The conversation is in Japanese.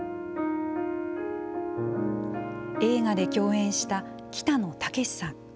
映画で共演した北野武さん。